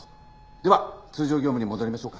では通常業務に戻りましょうか。